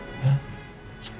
tapi yang menentukan allah